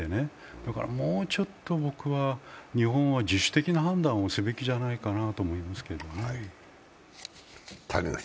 だからもうちょっと僕は日本は自主的な判断をすべきじゃないかなと思いますけどね。